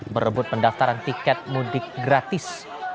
merebut pendaftaran tiket mudik gratis